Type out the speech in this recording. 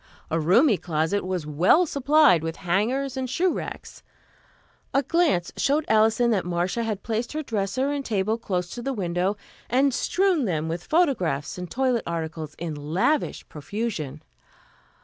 A roomy closet was well supplied with hangers and shoe racks. A glance showed Alison that Marcia had placed her dresser and table close to the window and strewn them with photographs and toilet articles in lavish profusion.